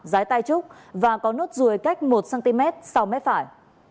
dài tai trúc và có nốt ruồi cách một cm sau mép phải